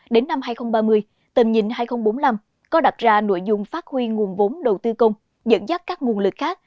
đến năm hai nghìn ba mươi tầm nhìn hai nghìn bốn mươi năm có đặt ra nội dung phát huy nguồn vốn đầu tư công dẫn dắt các nguồn lực khác